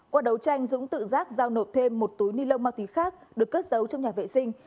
qua đấu tranh dũng tự giác giao nộp thêm một túi ni lông ma túy khác được cất giấu trong nhà vệ sinh